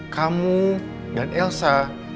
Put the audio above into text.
kamu dan elsa